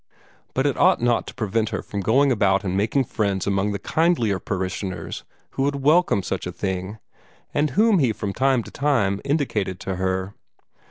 But it ought not to prevent her from going about and making friends among the kindlier parishioners who would welcome such a thing, and whom he from time to time indicated to her.